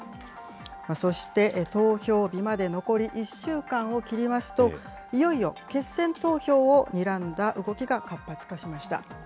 そして投票日まで残り１週間を切りますと、いよいよ決選投票をにらんだ動きが活発化しました。